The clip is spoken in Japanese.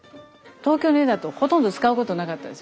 東京の家だとほとんど使うことなかったんです。